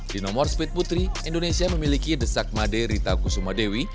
di nomor speed putri indonesia memiliki desak made rita kusuma dewi